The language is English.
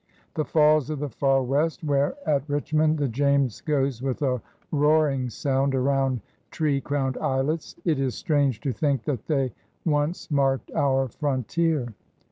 The Falls of the Farre West, where at Richmond the James goes with a roaring soimd around tree crowned islets — it is strange to think that they once marked our frontier!